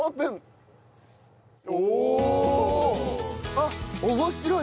あっ面白い！